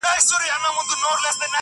o تر کورني سړي، گښته خر ښه دئ٫